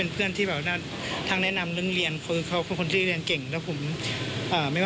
เพื่อระบบเป็นอีกแล้ว